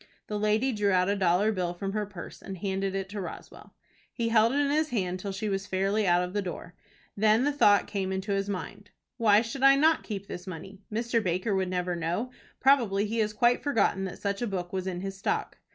The lady drew out a dollar bill from her purse, and handed it to Roswell. He held it in his hand till she was fairly out of the door. Then the thought came into his mind, "Why should I not keep this money? Mr. Baker would never know. Probably he has quite forgotten that such a book was in his stock."